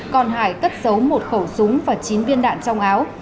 còn hải cất giấu một khẩu súng và chín viên đạn trong áo